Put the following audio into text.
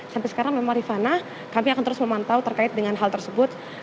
sampai sekarang memang rifana kami akan terus memantau terkait dengan hal tersebut